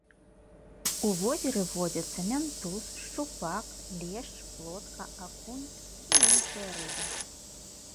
У возеры водзяцца мянтуз, шчупак, лешч, плотка, акунь і іншыя рыбы.